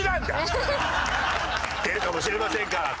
「出るかもしれませんから」。